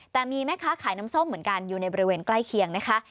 แต่มีแม่ค้าขายน้ำส้มเหมือนกันอยู่ในบริเวณใกล้เคียงนะคะ